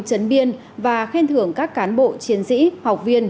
trấn biên và khen thưởng các cán bộ chiến sĩ học viên